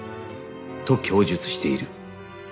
と供述している